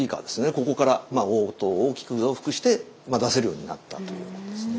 ここから音を大きく増幅して出せるようになったということですね。